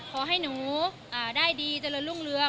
ขอให้หนูได้ดีจรรลุ่งเรือ